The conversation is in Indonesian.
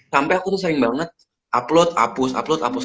sampai aku tuh sering banget upload apus upload